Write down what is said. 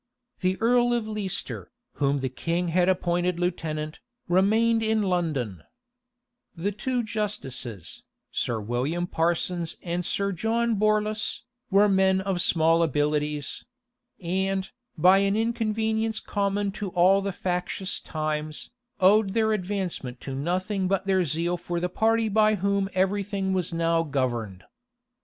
The earl of Leicester, whom the king had appointed lieutenant, remained in London, The two justices, Sir William Parsons and Sir John Borlace, were men of small abilities; and, by an inconvenience common to all factious times, owed their advancement to nothing but their zeal for the party by whom every thing was now governed.